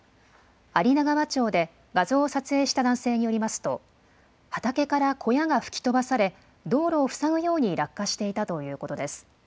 有田川町で画像を撮影した男性によりますと、畑から小屋が吹き飛ばされ、道路を塞ぐように落下していたということです。